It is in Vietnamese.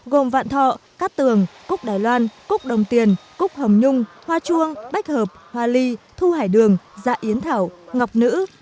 gồm vạn thọ cát tường cúc đài loan cúc đồng tiền cúc hồng nhung hoa chuông bách hợp hoa ly thu hải đường dạ yến thảo ngọc nữ